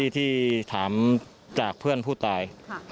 ที่ถามจากเพื่อนผู้ตาย